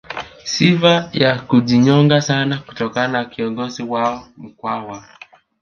Sifa ya kujinyonga sana kutokana na kiongozi wao Mkwawa